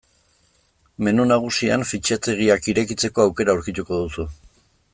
Menu nagusian fitxategiak irekitzeko aukera aurkituko duzu.